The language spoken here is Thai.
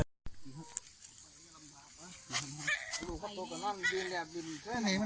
สวัสดีครับ